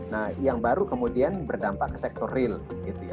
nah yang baru kemudian berdampak sektor real